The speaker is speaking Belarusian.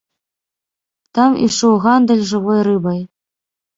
Там ішоў гандаль жывой рыбай.